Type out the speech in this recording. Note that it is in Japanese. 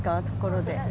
ところで。